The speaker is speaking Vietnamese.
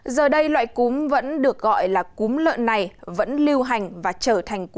giờ đây loại cúm vẫn được gọi là cúm lợn này vẫn lưu hành và trở thành quả